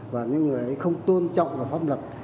và những người ấy không tôn trọng vào pháp luật